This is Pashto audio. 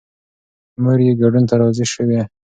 مور یې ګډون ته راضي شوه.